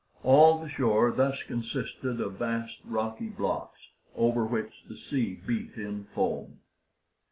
All the shore thus consisted of vast rocky blocks, over which the sea beat in foam.